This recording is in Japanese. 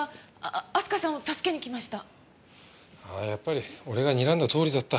やっぱり俺がにらんだとおりだった。